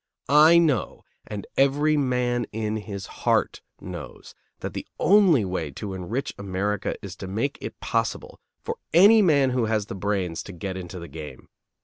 I know, and every man in his heart knows, that the only way to enrich America is to make it possible for any man who has the brains to get into the game.